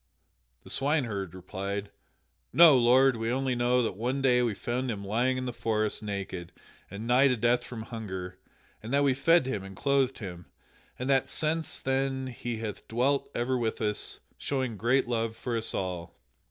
The swineherd replied: "No, lord, we only know that one day we found him lying in the forest naked and nigh to death from hunger and that we fed him and clothed him, and that since then he hath dwelt ever with us, showing great love for us all."